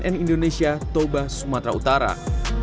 dan itu saja yang menarik terimakasih